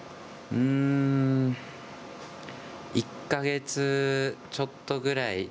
１か月ちょっとぐらい。